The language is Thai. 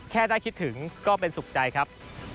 แค่ได้คิดถึงก็เป็นสุขใจครับ